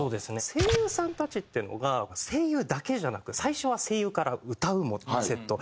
声優さんたちっていうのが声優だけじゃなく最初は声優から「歌う」もセット。